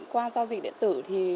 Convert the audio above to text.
qua giao dịch điện tử